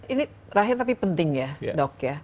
ini rahe tapi penting ya dok